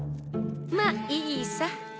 まあいいさ。